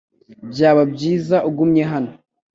Byaba byiza ugumye hano .